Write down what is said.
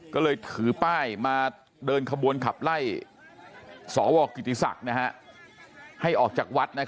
ก็เลยถือป้ายมาเดินขบวนขับไล่สวกิติศักดิ์ให้ออกจากวัด